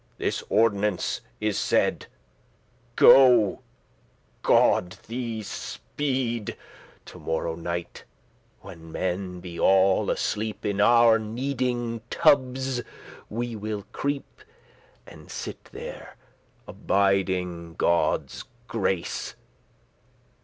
This ordinance is said: go, God thee speed To morrow night, when men be all asleep, Into our kneading tubbes will we creep, And sitte there, abiding Godde's grace.